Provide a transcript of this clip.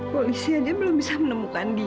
polisi aja belum bisa menemukan dia